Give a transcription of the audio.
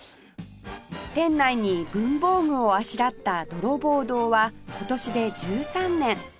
店内に文房具をあしらったどろぼう堂は今年で１３年